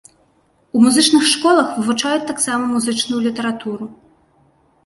У музычных школах вывучаюць таксама музычную літаратуру.